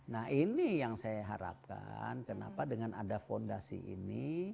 nah ini yang saya harapkan kenapa dengan ada fondasi ini